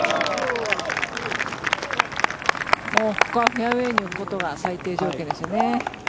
ここはフェアウェーに置くことが最低条件ですよね。